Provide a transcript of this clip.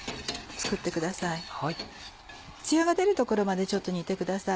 ツヤが出るところまで煮てください。